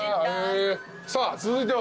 さあ続いては？